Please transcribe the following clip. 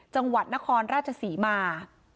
จังหวัดนครราชศรีมา